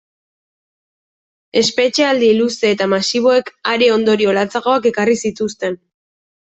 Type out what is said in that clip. Espetxealdi luze eta masiboek are ondorio latzagoak ekarri zituzten.